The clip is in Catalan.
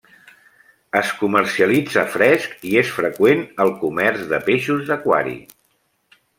Es comercialitza fresc i és freqüent al comerç de peixos d'aquari.